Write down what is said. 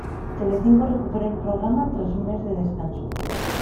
Telecinco recuperó el programa tras un mes de descanso.